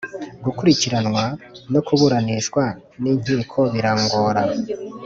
gukurikiranwa no kuburanishwa n inkiko birangora